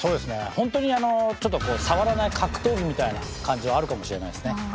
本当に「触らない格闘技」みたいな感じはあるかもしれないですね。